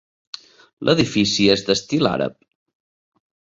L'edifici és d'estil àrab.